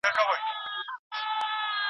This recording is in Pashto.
ما، پنځه اویا کلن بوډا